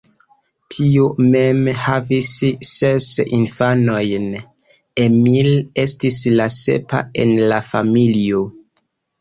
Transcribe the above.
Tiu mem havis ses infanojn, Emil estis la sepa en la familio.